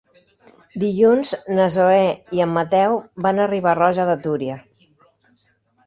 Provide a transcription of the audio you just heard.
Dilluns na Zoè i en Mateu van a Riba-roja de Túria.